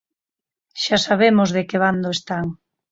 Xa sabemos de que bando están.